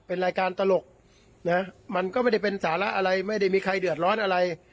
เป็นรายการตลกนะมันก็ไม่ได้เป็นสาระอะไรไม่ได้มีใครเดือดร้อนอะไร